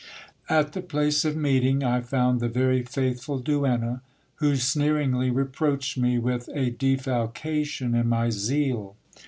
At the place of meeting I found the very faithful duenna, who sneeringly re proached me with a defalcation in my zeal.